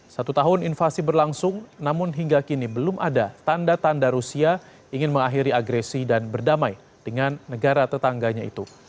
satu tahun invasi berlangsung namun hingga kini belum ada tanda tanda rusia ingin mengakhiri agresi dan berdamai dengan negara tetangganya itu